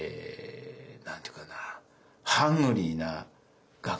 何て言うかな。